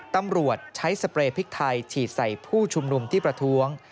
ตำรวจใช้สเปรย์พริกไทยฉีดใส่ผู้ชุมนุมที่ประท้วง